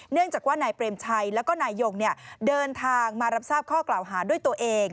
เนื่องจากว่านายเปรมชัยแล้วก็นายยงเดินทางมารับทราบข้อกล่าวหาด้วยตัวเอง